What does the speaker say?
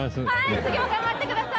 次は頑張ってください。